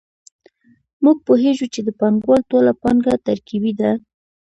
موږ پوهېږو چې د پانګوال ټوله پانګه ترکیبي ده